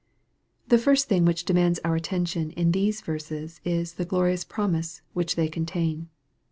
THE first thing which demands our attention in these verses, is the glorious promise which they contain.